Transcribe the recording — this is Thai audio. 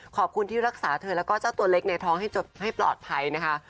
ขอบคุณที่รักษาเธอแล้วก็เจ้าตัวเล็กในท้องให้ปลอดภัยนะคะ